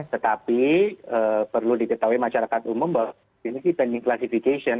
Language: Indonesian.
tetapi perlu diketahui masyarakat umum bahwa ini sih pending classification